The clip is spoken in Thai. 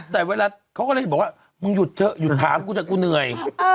แต่เวลาเขาก็เลยบอกว่ามึงหยุดเถอะหยุดถามกูแต่กูเหนื่อย